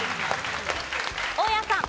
大家さん。